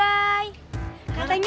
jadi kita jalan duluan yuk